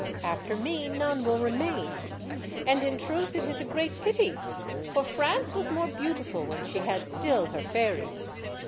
After me, none will remain. And in truth it is a great pity, for France was more beautiful when she had still her fairies.